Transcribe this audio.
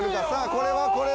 これはこれは？